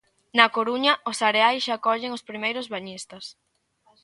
Na Coruña, os areais xa acollen os primeiros bañistas.